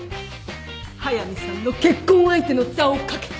速見さんの結婚相手の座を懸けた。